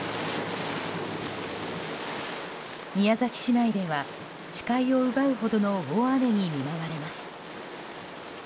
宮崎市内では視界を奪うほどの大雨に見舞われます。